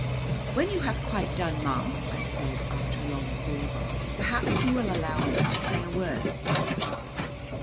"When you have quite done, ma'am," I said, after a long pause, "perhaps you will allow me to say a word."